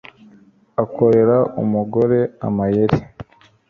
akorera umugore amayeri